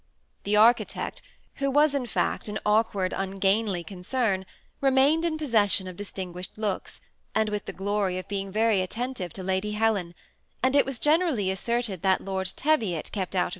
The architect, who was in fact an awkward, ungainly concern, remained in possession of distinguished looks, and with the glory of being very attentive to Lady Helen ; and it was generally asserted that Lord Teviot kept out 20 THE SEMI ATTAOHED COUPLE.